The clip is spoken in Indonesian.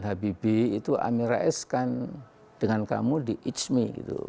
habibie itu amirah s kan dengan kamu di hmi